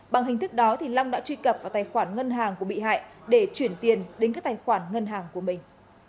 bằng hình thức đó long đã truy cập vào tài khoản ngân hàng của bị hại để chuyển tiền đến các tài khoản ngân hàng của mình